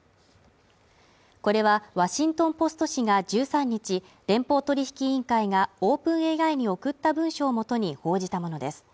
これは「ワシントン・ポスト」紙が１３日、連邦取引委員会がオープン外に送った文書をもとに報じたものです。